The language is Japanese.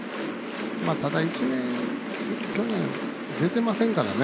ただ、１年去年出てませんからね。